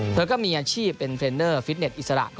เธอก็มีอาชีพเป็นเทรนเนอร์ฟิตเน็ตอิสระ